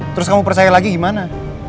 terus kamu percaya lagi gimana